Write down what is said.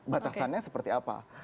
batasannya seperti apa